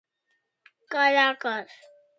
Caracas